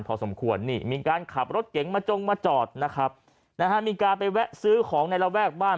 พอสมควรนี่มีการขับรถเก๋งมาจงมาจอดนะครับนะฮะมีการไปแวะซื้อของในระแวกบ้าน